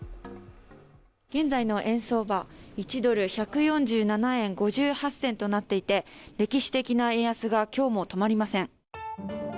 現在の円相場、１ドル＝１４７円５８銭となっていて、歴史的な円安が今日も止まりません。